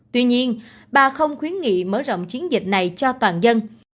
tuy nhiên bà không khuyến nghị mở rộng chiến dịch này cho toàn dân